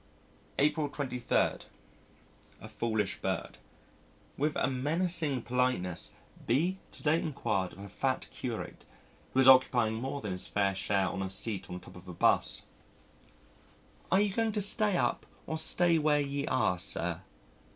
April 23. A Foolish Bird With a menacing politeness, B to day inquired of a fat curate who was occupying more than his fair share of a seat on top of a 'bus, "Are you going to get up or stay where ye are, sir?"